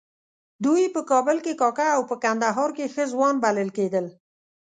دوی په کابل کې کاکه او په کندهار کې ښه ځوان بلل کېدل.